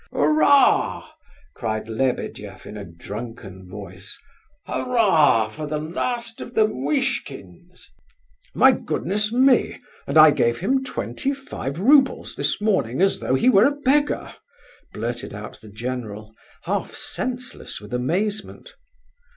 "Hurrah!" cried Lebedeff, in a drunken voice. "Hurrah for the last of the Muishkins!" "My goodness me! and I gave him twenty five roubles this morning as though he were a beggar," blurted out the general, half senseless with amazement.